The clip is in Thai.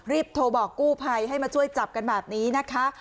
โทรบอกกู้ภัยให้มาช่วยจับกันแบบนี้นะคะ